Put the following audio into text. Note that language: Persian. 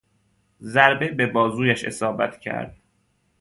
ضربه به بازویش اصابت کرد.